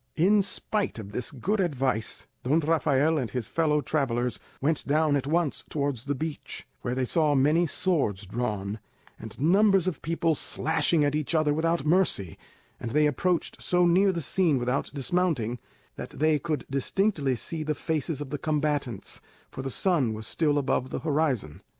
In spite of this good advice, Don Rafael and his fellow travellers went down at once towards the beach, where they saw many swords drawn, and numbers of people slashing at each other without mercy, and they approached so near the scene without dismounting, that they could distinctly see the faces of the combatants, for the sun was still above the horizon.